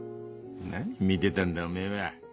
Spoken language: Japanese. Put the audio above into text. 何見てたんだおめぇは。